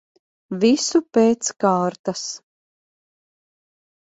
Visu pēc kārtas.